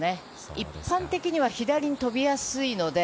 一般的には左に飛びやすいので。